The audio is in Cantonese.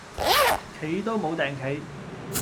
企都無碇企